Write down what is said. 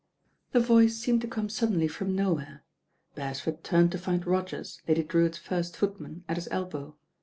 The voice seemed to come suddenly from no where. ^ Beresford turned to find Rogers, Lady Drewitt's first footman, at his elbow.